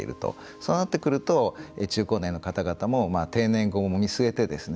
そうなってくると中高年の方々も定年後も見据えてですね